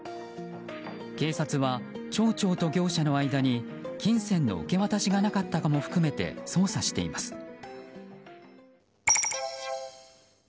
警察は町長と業者の間に金銭の受け渡しがなかったかも含めて捜査しています。